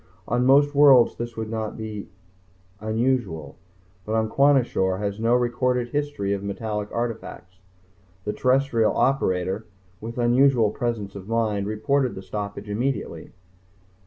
On most worlds this would not be unusual, but Kwashior has no recorded history of metallic artifacts. The terrestrial operator, with unusual presence of mind, reported the stoppage immediately.